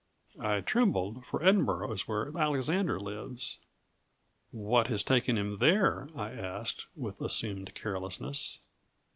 I trembled, for Edinburgh is where Alexander lives. "What has taken him there?" I asked, with assumed carelessness.